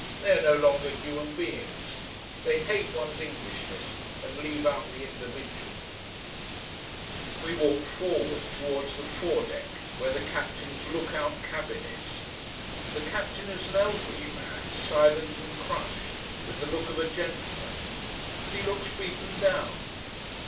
They are no longer human beings. They hate one's Englishness, and leave out the individual. We walk forward, towards the fore deck, where the captain's lookout cabin is. The captain is an elderly man, silent and crushed: with the look of a gentleman. But he looks beaten down.